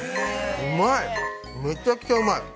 うまい、めちゃくちゃうまい！